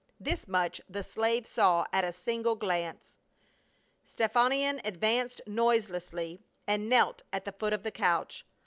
This much the slave saw at a single glance. Stephanion advanced noiselessly and knelt at the foot of the couch.